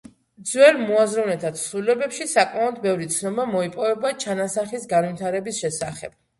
ძველ მოაზროვნეთა თხზულებებში საკმაოდ ბევრი ცნობა მოიპოვება ჩანასახის განვითარების შესახებ.